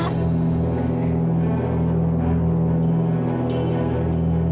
aida ini akan berakhir